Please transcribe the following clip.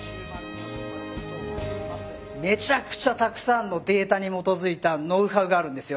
めちゃくちゃたくさんのデータに基づいたノウハウがあるんですよ。